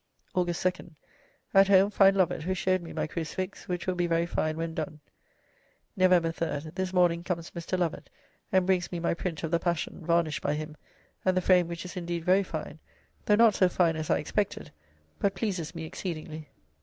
August 2. "At home find Lovett, who showed me my crucifix, which will be very fine when done." Nov. 3. "This morning comes Mr. Lovett and brings me my print of the Passion, varnished by him, and the frame which is indeed very fine, though not so fine as I expected; but pleases me exceedingly."